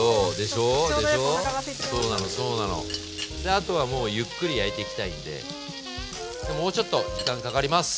あとはもうゆっくり焼いていきたいんでもうちょっと時間かかります。